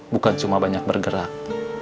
bukan cuma banyak bergerak